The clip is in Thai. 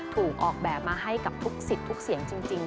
ถูกออกแบบมาให้กับทุกสิทธิ์ทุกเสียงจริง